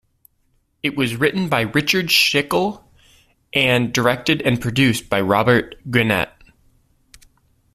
It was written by Richard Schickel and directed and produced by Robert Guenette.